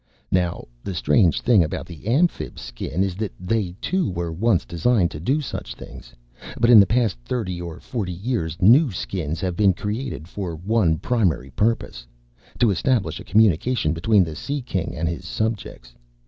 "Now, the strange thing about the Amphibs' Skin is that they, too, were once designed to do such things. But in the past thirty or forty years new Skins have been created for one primary purpose to establish a communication between the Sea King and his subjects.